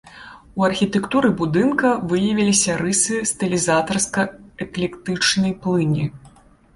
У архітэктуры будынка выявіліся рысы стылізатарска-эклектычнай плыні.